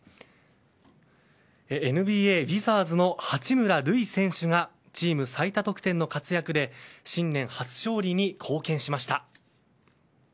ＮＢＡ、ウィザーズの八村塁選手がチーム最多得点の活躍で新年初勝利に貢献しました。